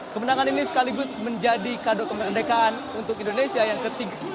kemenangan ini sekaligus menjadi kado kemerdekaan untuk indonesia yang ke tiga puluh delapan